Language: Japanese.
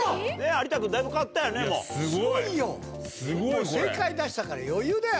もう正解出したから余裕だよ